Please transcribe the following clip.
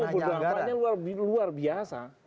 berdampaknya luar biasa